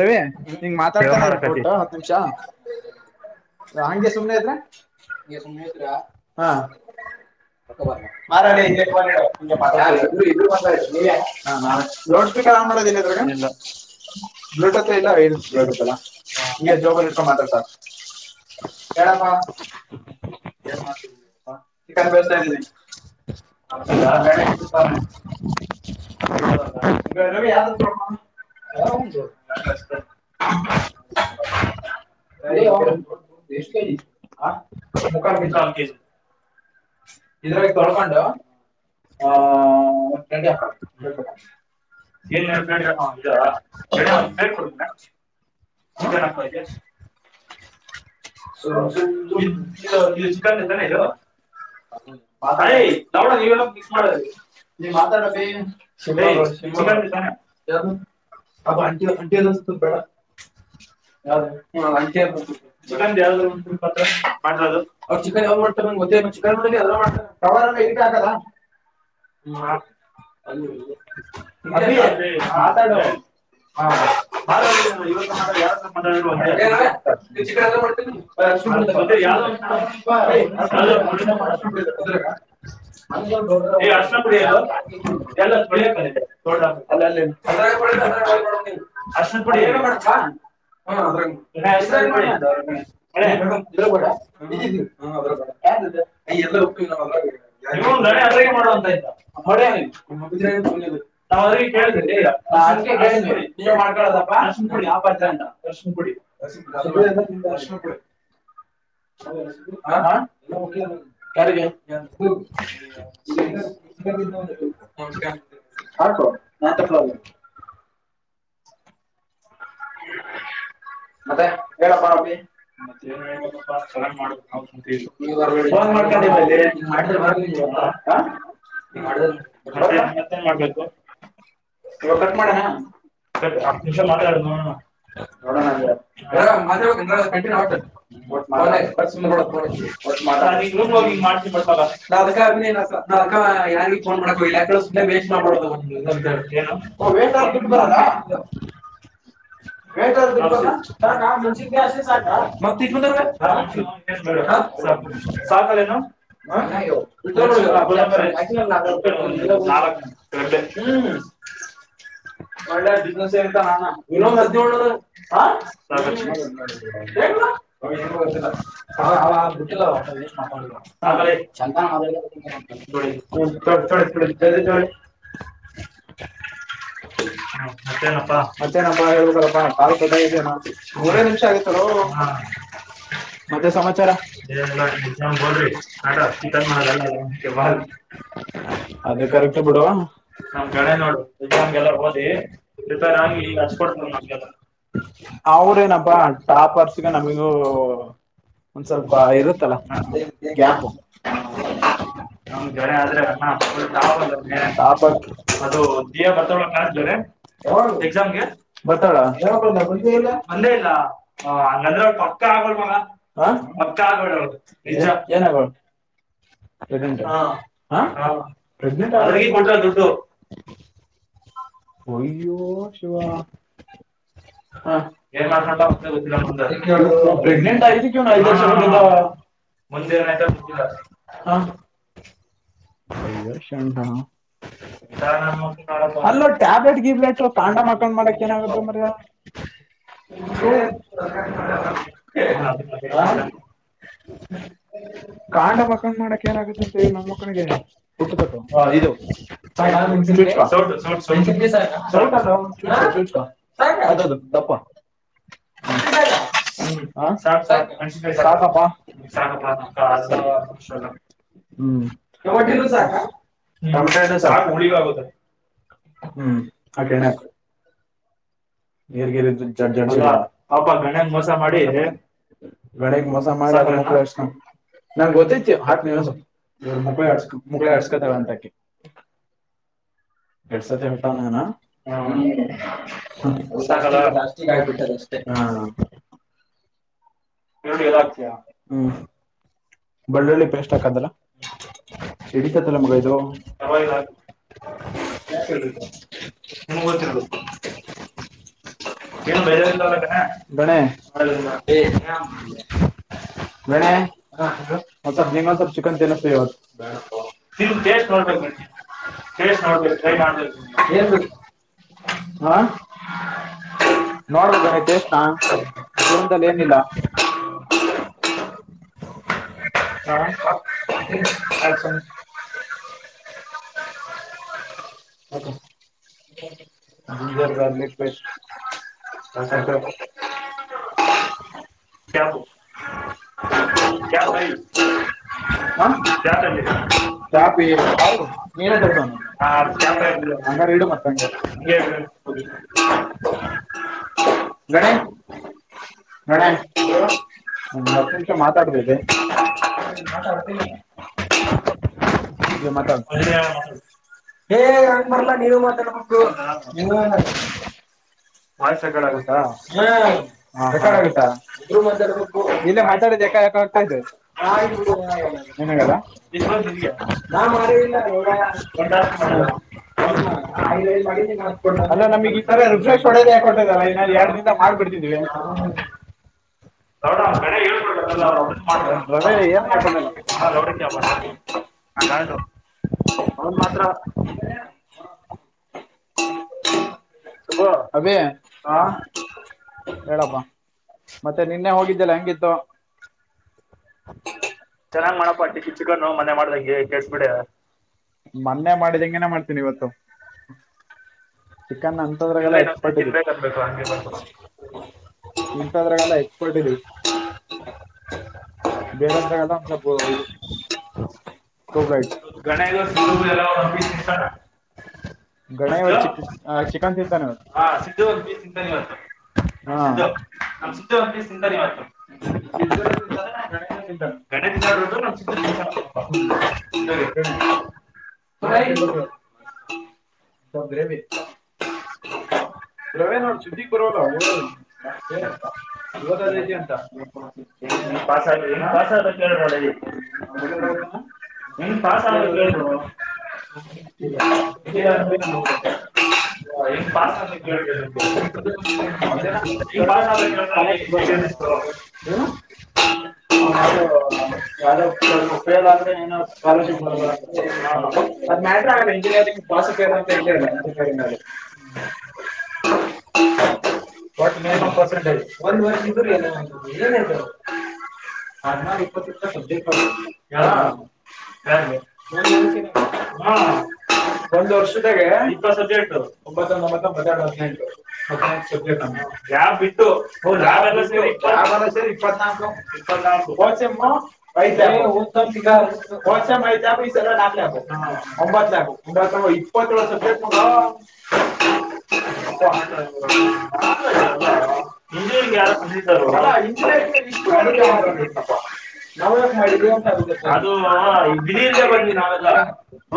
ರವಿ ನೀಂಗ್ ಮಾತಾಡ್ತಾನೆ ರಿಪೋರ್ಟ್ ಹತ್ತು ನಿಮಿಷ ಹಂಗೆ ಸುಮ್ಮ್ನೆ ಐ ಸುಮ್ನೆ ಹಾ ಬ ಮಾರತ ನಾವೆ ನೋಡ್ಬೇಕ ನ್ ಮಾಡೋದಿಲ್ಲ ಅದ್ರಾಗ ಬ್ಲೂ ಟೂತ್ ಇಲ್ಲ ಬ್ಲೂಟೂತ್ ಎಲ್ಲ ನಿಮಗೆ ಜೋಬಲ್ ಇಟ್ಕೊ ಮಾತ್ರ ಸಾಕು ಹೇಳಪ್ಪ ಚಿಕನ್ ಬೇತಾ ಇದೀವಿ ನ ಗಣ ಹರ ಮುಕ ಇದ್ರಲ್ಲಿ ಕೊರೋಟ ಹಾ ಡ್ತ ಚ ತ ನ ನೀಲ್ಲಿಕ್ಸ್ ಮಾಡ ನೀ ಮಾತಾಡಬೊಗ್ ಅ ಅಂಟಿ ಅಂಟಿ ಅದ ಬಡ ಚಿಕನ್ ಯಾವ್ ಮಾಡ್ತಾರೆ ನಗೆ ಗೊತ್ತೇ ಿನಿ ಎಲ್ಲ ಮಾಡ್ತಾರೆಟ ಆಗತಲ್ಲ ಆತಾಡ ಹ ಚಿ ಹ ಡ ಎಲ್ಲ ಅ ಅ ಪಡಿ ಹಡ ಆ ಅಯ ಎಲ್ಲಪ್ಪವಿ ನ್ ನಾ ಅವ್ರಿಗೆ ಕೇಳಿದ್ಿ ಅ ಕೇಳ್ ನೀ್ ಮಾಡ್ಕೊಳದಪ್ಪ ಅಶ ಪುಡಿ ಯ ಆ ಪಾತ್ ಅಂತ ಅರ್ಶಿನ ಪುಡಿಸುಡಿ ಎಲ್ಲ ತಿ ಅರ್ಶಿನ ಪುಡಿ ಹ ಹಾಾ ಸ ಹಟೋ ನಾತ್ತ ಕಳ ಮತ್ತೆ ಹೇಳಳ್ಪ್ಪ ಅಿ ಮತ್ತೇಏನ್ ಹೇಬೇಕಪ್ಪ ಅ ಚೆನ್ನ ಮಾಡುದು ನ ಕು್ ಮಾಡ್ಕೊಂಡೇವ ಇ ಮಾಡಿದ್ರೆ ಬರ್ ನಿ ಮತ್ತೆನ್ ಮಾಡ್ಬೇಕು ಇವಾಗ ಕಟ್ ಮಾಡೋಡಣ ದಮಸ ಮಾತಾಡ ನ ನ ಮದ ಕಂಟಿನ್ಯು ್ ಮಾಡ್ತಿ ಬ ನ ಅದಕ ಅ ಅದ ಯಾರಿಿಗೆ ಫೋನ್ ಮಾಡ ಇಲ್ಲಾ ವೇ ಮಾಡ ಬ ವೇ ದುಡ್ ಬರದಾ ಹ್ಮ ವೇಟ ಬ ಸರಂಸ ಸ ಮಾವ ಸಾಕಾಲನು ಹ ಹ್ಮ ಒಳ್ಳೆ ಬಿಜನೆಸ್ ಇತ ಹಣ ಅರ್ಜಳ್ಳ ಹ [inaudible] ಮತ್ತೆನಪ್ಪಾ [inaudible] ಬ ಹ ಚ ಬ ಅದ ಕರ್ಕ ಬಿಡುವ ನ ಗಣೆ ನೋಡು ಎಕ್ಸಾಮ್ಗೆಲ್ಲ ಓದಿ ಪ್ರಿಪೇರ್ ಆಗಿ ಚ್ ಕೊಡ್ ಹೌದೇನಪ್ಪ ವರ್ಷ ನಮಗೂ ಸ್ವಲ್ಪ ಇರುತ್ತಲ್ಲ ನ ಜನ ಆದ್ರೆಣ ಅದು ಬರ್ತ್ತ ಕ್ಾಸ ಜೋ ಎಕ್ಾಮಗೆ ಬ ಅಂದೇ ಇಲ್ಲಂದ್ರ ಪಕ್ಕ ಆಗೋಡ ಮಣ ಮಕ್ಕಾ ಆ ನಿಜಾ ಏನ ಹ ರ್ಮ ಅವಗ ಕೊಟ್ರ ದುಡ್ಡು ಒಯ್ಯೋ ಶಿವ ಹ ಏನ್ ಮಾಡ್ತನಾಡಲ ಮತ್ತೆ ಬರ್ತ್ತರ ಮು ಪ್ರೆಗ್ನೆಂಟ್ ಆಗಿದೆ ಒ ಐ್ ಲಕ್ಷ ಟ್ಟಂತ ಮುಂದೆರ ಗಂಟೆ ಗೊತ್ತಿಲ್ಲ ಹ ಹಯ ಶಂಡ ಅಲ್ಲ ಟ್ಯಾಬ್ಲೆಟ್ ಗಿಬ್ಲೆಟ್ ಕಾಂಡ ಮಕಂಡ್ ಮಾಡಕ್ ಏನಾಗುತ್ತ ಮರಿಯ ಶು ಹ ಹ್ಮ ಕಾಂಡ ಮಕ್ಕಳ ಮಾಡಕ್ ಏನಾಗುತ್ತೆ ಅಂತ ನಮ್ಮ ಮಕ್ಕಳಿಗೆ ಹುಟ್ಟು ತಕೊ ಇದು ಟ ಚುಕ ಚುಚ್ಕ ಅದದು ದಪ್ಪ ಹ ಹ ಬ ಹ್ಮ್ಟಟ ಟಮಟನು ಸಾ ಹ್ಮ್ ಅದ ನೀರ್ಗಿ ಪಾಪಾ ಗಣನ್ ಮೋಸ ಮಾಡಿ ಗಣ ಮೋಸ [inaudible] ನಂನ್ ಗೊತ್ತೈತಿ ಹ ನಿವ ಮುಗಳಿ ಹಿ ಹಕ ಗಟ್ಸತಿ ಹಟ್ಟಾನಾನ ಆಬ ಅಷ್ಟ ಹ ಈರುಳ್ಳಿ ಎಲ್ಲ ಹಾಕ್ತೀಯ ಹ್ಮ್ ಬೆಳ್ಳುಳ್ಳಿ ಪೇಸ್ಟ್ ಹಾಕದ್ರ ಸಿಡಿತತಲ್ಲ ಮಗ ಇದು [inaudible] ಗಣ ವಿಣ ಹ ನಿ ತಿ ನೋಡ್ತ ಕ ನೋಡ್ನ್ ಹ ನೋಡ್ಬೇಕನ ಚೇಷ್ಣ ಜೀವನದಲ್ಲಿ ಏನಿಲ್ಲ [inaudible] ಹಸ ಹ್ಮ ಅ ಯವು ಕ ಬ ಚ ಹ ಬರೆ ನೋಡ ಒ ಹತ್ತ ಮಾತಾಡ್ಬ ಈ ಮಾತಾ ಹೇ ಹಂಗ ಬರ್ಲ್ಲ ನೀವು ಮಾತಾಡ್ಬೇಕು ನೀ ವ ಆಗುತ್ತಾ ಆಯ್ತು ನಾ ಮಾಡ [inaudible] ಕೊಟ್ಟಡು [inaudible] [unintelligible] ಅವನ್ ಮಾತ್ರ [unintelligible] ಅಬೇ ಹಾ ಹೇಳಪ್ಪಾ [unintelligible] ಮತ್ತೆ ನಿನ್ನೆ ಹೋಗಿದ್ದಲ್ಲ ಹೆಂಗಿತ್ತು [inaudible] ಚೆನ್ನಾಗ್ ಮಾಡಪಟ್ಟಿ ಕಿ ಚಿಕನು ಮನೆ ಮಾಡ್ದಾಗ ಕೇಸ ಬಿಿಡ [inaudible] ಮೊನ್ನೆ ಮಾಡಿದ್ ಹೆಂಗನೆ ಮಾಡ್ತೀನಿ ಇವತ್ತು [inaudible] ಚಿಕನ್ ಅಂತದ್ರಲ್ಲ ಎಕ್ಸ್ಪರ್ಟ್ ಇಗತ್ತು [inaudible] ನಿಮಂತ ಅದ್ರ ಕಾಲ ಎಕ್ಸ್ಪರ್ಟ್ [unintelligible] ಬೇಗಂದಾಗಲ್ಲ ತೋ ಗೈಡ್ [inaudible] ಗಣೇಶಗ ಎಲ್ಲ ಇಷ್ಟ [inaudible] ಸ ಹ್ಂತವತ್ತು [unintelligible] ನಿ [inaudible] ಸುಂದರಿ ಇವತ್ತು [unintelligible] ಗಣೇಶ ಗಾಡ್ ನ ಸ [inaudible] ನೀಬೇಕ [inaudible] ಪ್ರವೇಣ ಅವ್ ಸುದ್ದಿ ಪರ [inaudible] ಹ [inaudible] ಪನ್ ಪಸ್ ಕ ನ [unintelligible] [unintelligible] ನಿನ್ ಪಸ್ ಆಲಿ ಕಬ [unintelligible] ಲ್ಲ [inaudible] ಹ ನ್ ಪ ಕಳ್ [unintelligible] ಈ ಪಾಸ ಆದ ಟ [unintelligible] ನ [unintelligible] ಯಾವವು್ದೋ ಕಳ ಮುಪ್ಪೈದ ಆದ್ರೆ ಏನ ಸ್ಕಾಲರ್ಶಿಪ್ ಮಾಡದ ಅದ ಮ್ಯಾಟ್ರ ಆಗಲ್ಲ ಇಂಜಿನಿಯರಿಂಗ್ [inaudible] ಬಾಸುಕೇರ ಅಂತ ಇಲ್ಲೇ ಇಲ್ಲ ಇಂಜಿನಿಯರಿಂಗ್ ಅಲ್ಲಿ [inaudible] ಪರ್ಸೆಂಟಜ್ ಒಂದ್ ವರ್ಷ ಇದರ ಒ [inaudible] ಅ ನಾಲ ಇಪ್ಪತ್ ಇಪ್ಪ ಸಬ್ಜೆಕ್ಟ್ ತ [inaudible] ಹ [inaudible] ಒಂದ್ ವರ್ಷದಾಗ ಇಪ್ಪತ್ ಸಬ್ಜೆಕ್ಟ್ [inaudible] ಒತ್ತಂಟ ಸ ಯ ಬಿಟ್ಟು ಇಪ್ಪತ್ನಾು ಇಪ್ಪತ್ನಾಲ್ು ಹೆಮ್ಮ [unintelligible] ಆಯ್ತಷ ಪೈಸೆ ಎಲ್ಲ ನಾಕ್ು ಒಂಬತ್ತುು ಒತ್ತು [unintelligible] ಇಪ್ಪತ್ತು ವರ್ಷ ಬೇಕು [inaudible] ಯಾರು ಬ [inaudible] ಇ ಇ ಬಿ ನಲ್ಲ ಹ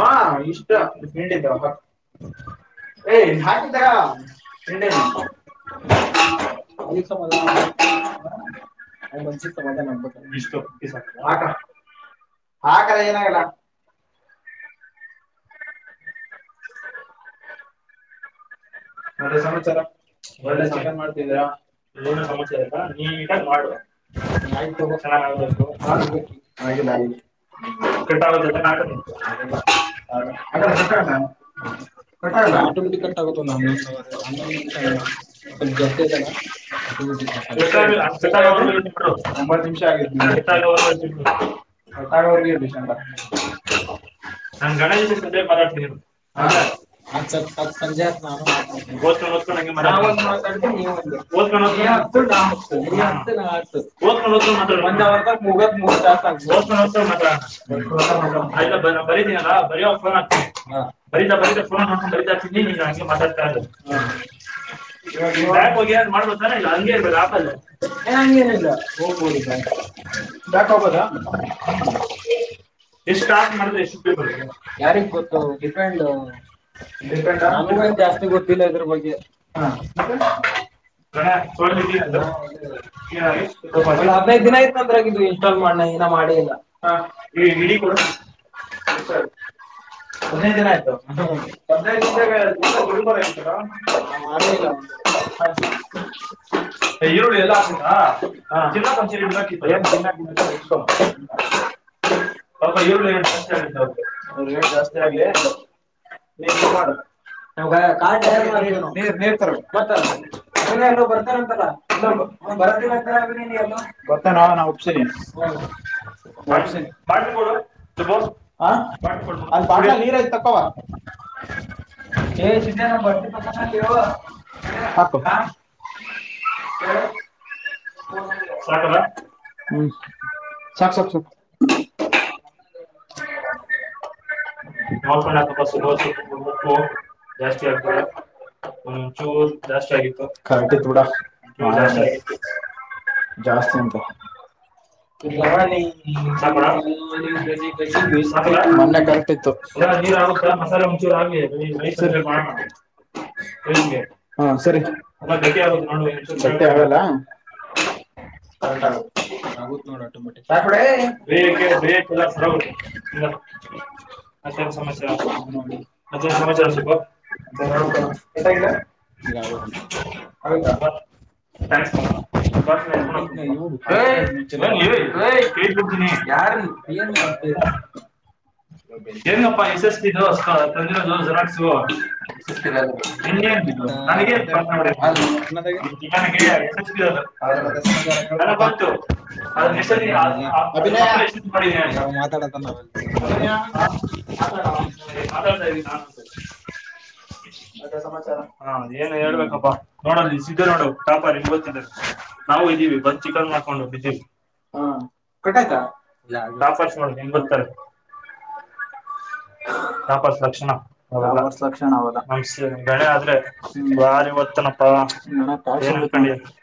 ಇಷ್ಟ [inaudible] [unintelligible] ಮಾಡ್ತಿದ್ದಾರಂಡ [inaudible] ಈ ಸಮ [inaudible] ನ್ನ್ಸಿ ತ ನನ್ ಇಷ್ಟ ಆಗ [inaudible] [unintelligible] ಆ ಕದ ಏನಾಗಲ್ಲ [unintelligible] [unintelligible] ಮತ್ತೆ ಸಮಾಚಾರ ಒಳ್ಳೆ ಚಿಕನ್ ಮಾಡ್ತಿದೀರಾ [inaudible] ಏನು ಸಮಸ್ಯೆ ಆಯತ ನೀಟಾಗ ಮಾಡ ನೀ ಆಯ್ ತಗೋ ಚೆನ್ನ [inaudible] ಿ [unintelligible] [unintelligible] ಆಟೋಮೆಟಿಕ್ ಕಟ್ ಆಗುತ್ತ ಒಂದ ಆಂಗ ಆ ಸ್ವಲ್ಪ ಜಾಸ್ತಿ ಆಐತಲ್ಲ [inaudible] ಮಟಿಕ್ ಒತ್ತು ನಿಮಿಷ ಆಗ [inaudible] ಕಟ್ಟನಾಡ ವ ಬ ಚಂಡ [inaudible] ಗಣೇಶ ಸಂಜೆ ಪಾ ಹ ಸಂಜೆ ಆತ್ ನಾನು ಮಾತಾ ನೀ ಹತ್ತುಾ ಹ ಹತ್ತುಾ ಓದ್ ನೋ ಒನ್ ಅವರ್ ಮುಗತ್ ಮು ಇಲ್ಲ ಬರೀನ ಅಲ್ಲ ಬರಿಯಾಗ ೋ ಹಾತೀನಿ ಬಂದ ಬಂದ ೋ ಮರಾತ ಹಾಗಗೆ ಮಾತಾಡ್ತಾ ಇದಿ ಹಾ ನೀವು ಹೊಕ್ ಹೋಗಿ ಮಾಡ್ಬಾನ ಇ ಹಂಗ ಇರ್ಬೇಕ ಆಕಲ್ಲ ಬಟೋ ಕದ [unintelligible] ಯಾರಿ ಗೊ ಡಿ್ರಂಟ್ಡಿ ಜಾಸ್ತಿ ಗೊತ್ತಿಲ್ಲರಿ. ಹಾ. [unintelligible] ಹದಿನೈದು ದಿನ ಆಯ್ತ್ ಅದು ಅಂದ್ರ ಇನ್ಸ್ಟಾಲ್ ಮಾಡಲಾರದು. ಮಾಡೇ ಇಲ್ಲ ಹ್ಮ್ ಇ ಇ ಡಿ ಕೊಡು. ಹದಿನೈದು ದಿನ ಆಯ್ತು ಹದ್ನೈದು. [inaudible] ಹಲೋ ಈರುಳ್ಳಿ ಎಲ್ಲಾ ಹಾಕ್ಬೇಕ ಹಾ. [inaudible] [unintelligible] [unintelligible] [unintelligible] ಮಾಡ್ ಸ್ೇಹರು ಗತ್ತ ಎ ಬರ್ತಾನ ಅಂತಲ್ಲ ಇಲ್ಲ ಬರತನಂತ ನ ಹ ಅದ ಬಾಟ್ಲ ನೀರ ಯ್ತತ್ ತಕ್ಕವ ಏ. [unintelligible] ಸಾಕಲ್ಲ ಸಾಕು ಸಾಕು. [unintelligible] ಜಾಸ್ತಿ [unintelligible] [unintelligible] ಜಾಸ್ತಿ. [inaudible] [unintelligible] ಎಲ್ಲ ನೀರ್ ಆಗುತ್ತ ಮಸಾಲೆ ಮಂಚೂರ ಹಾಗೆ ಇರಲಿ. [inaudible] ಹ ಸರಿ. ಹಾ. ಆಗುತ್ತ ನೋಡ ಆಟೋಮಟಿಕ್. [inaudible] ಅತ್ಯಂತ ಸಮಾಚಾರ ಅತ್ಯಂತ ಸಮಾಚಾರ. [unintelligible] [unintelligible] [unintelligible] [unintelligible] [unintelligible] [unintelligible] [inaudible] ಹೌದು ನನಗ್ ಗೊತ್ತು ಅದನ್ನ ಎಸ್ಟ್ ಸರ್ತಿ ಅದ್ರ ಮಕ್ಕಳ ಎಸ್ಥೊಟ್ ಮಾಡಿದ್ದಾರ್ ಅಂತ. [unintelligible] ಹಾ ಏನು ಹೇಳ್ಬೇಕಪ್ಪಾ ನೋಡಣ ಸಿದ್ಧು ನೋಡು ಪಾಪ [inaudible] ಮತಿದ್ದಾರೆ. ನಾವು ಇದ್ದೀವಿ ಬಂದ್ ಚಿಕನ್ ಮಾಡಾಕೊಂಡ್ ಹೋಗಟ್ಟಿದ್ದೀವಿ. ಹಾ [inaudible] ತಂಪಸ್ ನೋಡು ಹೆಂಗ್ ಬರ್ತಾಳೆ. [inaudible] ಹೌಲ್ಲ ನಮ ಗಣೆ ಆದ್ರೆ ಬಾರಿ ಒದತಾನ ಅಪ್ಪಾ ಏನ್. [unintelligible]